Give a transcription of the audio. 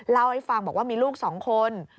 เล่าให้ฟังบอกว่ามีลูก๒คน